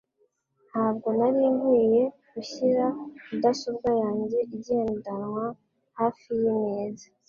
Ntabwo nari nkwiye gushyira mudasobwa yanjye igendanwa hafi yimeza.